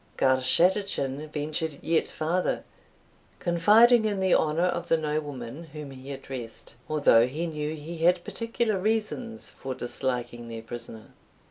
Garschattachin ventured yet farther, confiding in the honour of the nobleman whom he addressed, although he knew he had particular reasons for disliking their prisoner.